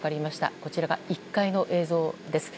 こちらが１階の映像です。